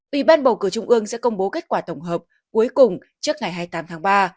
ủy ban bầu cử trung ương sẽ công bố kết quả tổng hợp cuối cùng trước ngày hai mươi tám tháng ba